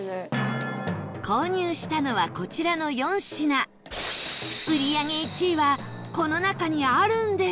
購入したのは、こちらの４品売り上げ１位はこの中にあるんでしょうか？